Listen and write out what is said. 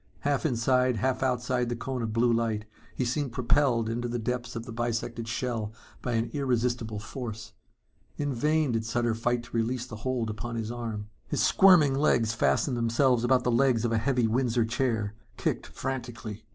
Half inside, half outside the cone of blue light he seemed propelled into the depths of the bisected shell by an irresistible force. In vain did Sutter fight to release the hold upon his arm. His squirming legs fastened themselves about the legs of a heavy Windsor chair, kicked frantically.